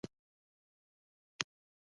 ایا له اړیکې وروسته وینه راځي؟